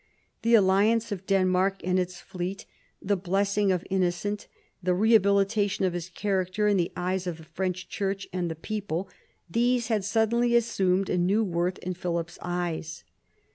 The alliance of Denmark and its fleet, the blessing of Innocent, the re habilitation of his character in the eyes of the French church and the people, these had suddenly assumed a new worth in Philip's eyes.